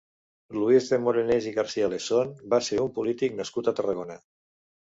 Lluís de Morenés i García-Alesson va ser un polític nascut a Tarragona.